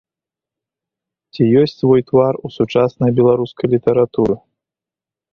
Ці ёсць свой твар у сучаснай беларускай літаратуры?